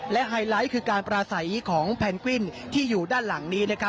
และไฮไลท์คือการปราศัยของแพนกวินที่อยู่ด้านหลังนี้